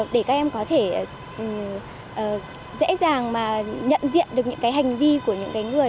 để các em có thể dễ dàng mà nhận diện được những cái hành vi của những người